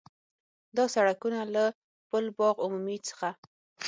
دا سړکونه له پُل باغ عمومي څخه